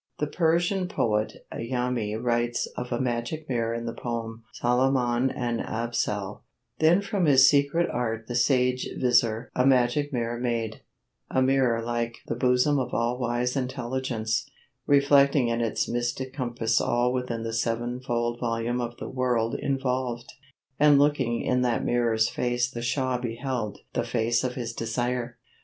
The Persian poet Jâmi writes thus of a magic mirror in the poem "Salamân and Absal": Then from his secret Art the Sage Vizyr A Magic Mirror made; a Mirror like The bosom of All wise Intelligence, Reflecting in its mystic compass all Within the sev'nfold volume of the World Involved; and looking in that Mirror's face The Shah beheld the face of his Desire.